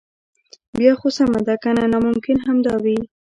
بیا خو سمه ده کنه ناممکن همدا وي.